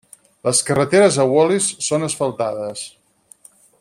Les carreteres a Wallis són asfaltades.